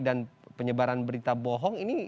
dan penyebaran berita bohong